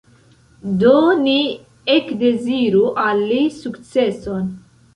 Do ni ekdeziru al li sukceson".